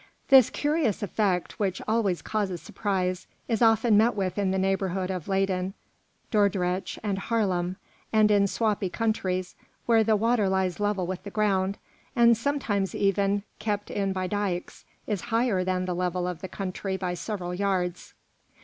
This curious effect, which always causes surprise, is often met with in the neighbourhood of Leyden, Dordrecht, and Haarlem, and in swampy countries where the water lies level with the ground, and sometimes even, kept in by dikes, is higher than the level of the country by several yards.